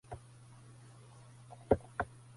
ما زلت بين الورى حيران ذا كلف